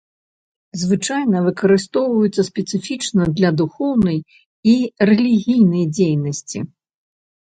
Звычайна выкарыстоўваецца спецыфічна для духоўнай і рэлігійнай дзейнасці.